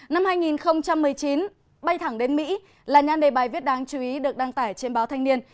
năm hai nghìn một mươi chín bay thẳng đến mỹ là nhan đề bài viết đáng chú ý được đăng tải trên báo thanh niên